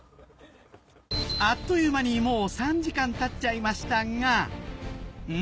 あっという間にもう３時間たっちゃいましたがん？